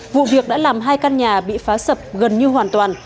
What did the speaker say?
vụ việc đã làm hai căn nhà bị phá sập gần như hoàn toàn